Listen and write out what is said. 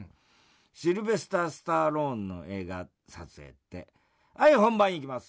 シルヴェスター・スタローンの映画撮影って『はい本番いきます。